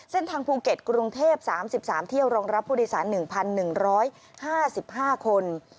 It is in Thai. เส้นทางภูเก็ตกรุงเทพ๓๓เที่ยวรองรับผู้โดยสาร๑๑๕๕คน